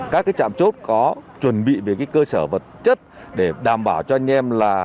các trạm chốt có chuẩn bị về cơ sở vật chất để đảm bảo cho anh em là